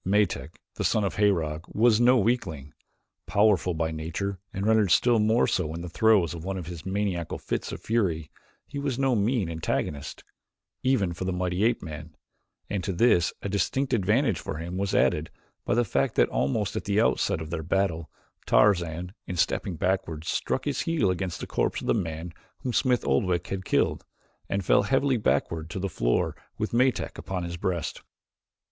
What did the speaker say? Metak, the son of Herog, was no weakling. Powerful by nature and rendered still more so in the throes of one of his maniacal fits of fury he was no mean antagonist, even for the mighty ape man, and to this a distinct advantage for him was added by the fact that almost at the outset of their battle Tarzan, in stepping backward, struck his heel against the corpse of the man whom Smith Oldwick had killed, and fell heavily backward to the floor with Metak upon his breast.